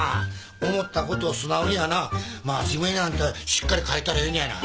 思ったことを素直にやな真面目にあんたしっかり書いたらええねやな。